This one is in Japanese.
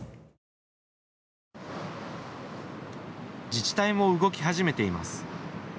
自治体も動き始めています。